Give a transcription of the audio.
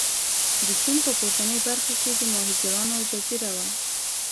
د سیند په پورتنۍ برخه کې د ماهیګیرانو جزیره وه.